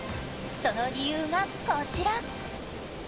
その理由が、こちら。